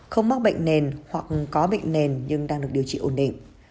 không mắc bệnh nền hoặc có bệnh nền nhưng đang được điều trị ổn định